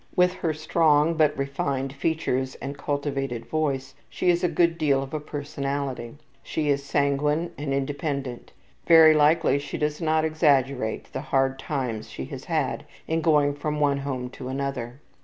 With her strong, but refined features and cultivated voice she is a good deal of a personality. She is sanguine and independent. Very likely she does not exaggerate the hard times she has had in going from one home to another.